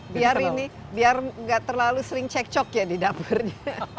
biar ini biar nggak terlalu sering cek cok ya di dapurnya